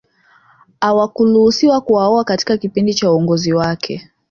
Hawakuruhusiwa kuwaoa katika kipindi cha uongozi wake